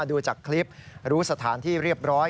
ดูจากคลิปรู้สถานที่เรียบร้อย